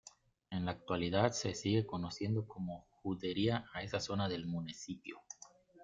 En la actualidad se sigue conociendo como judería a esa zona del municipio.